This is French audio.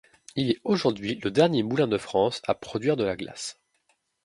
Il est aujourd'hui le dernier moulin de France à produire de la glace.